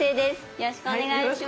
よろしくお願いします。